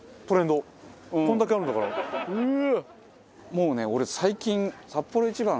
もうね俺最近。